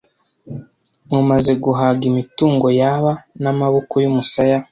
Mumaze guhaga imitungo yaba n'amaboko yumusaya